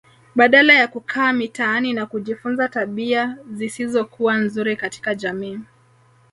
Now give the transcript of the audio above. Badala ya kukaa mitaani na kujifunza tabia zisizokuwa nzuri katika jamii